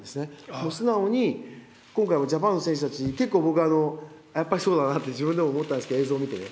もう素直に、今回もジャパンの選手たち、やっぱりそうだなって思ったんですけど、映像見てね。